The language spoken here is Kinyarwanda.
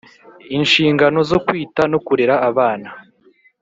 Inshingano zo kwita no kurera abana